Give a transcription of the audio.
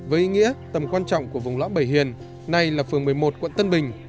đó là tầm quan trọng của vùng lõm bầy hiền nay là phường một mươi một quận tân bình